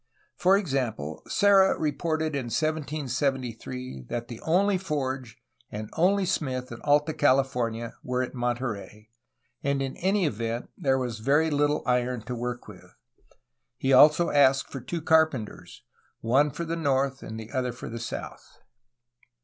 For example, Serra reported in 1773 that the only forge and only smith in Alta California were at Monterey, and in any event there was very little iron to work with. He also asked for two carpenters, one for the north and the other for the south.